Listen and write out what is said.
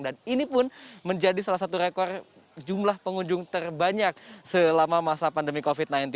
dan ini pun menjadi salah satu rekor jumlah pengunjung terbanyak selama masa pandemi covid sembilan belas